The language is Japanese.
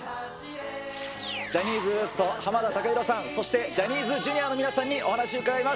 ジャニーズＷＥＳＴ・濱田崇裕さん、そしてジャニーズＪｒ．の皆さんにお話伺います。